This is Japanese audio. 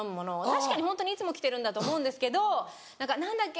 確かにホントにいつも来てるんだと思うんですけど「何だっけ？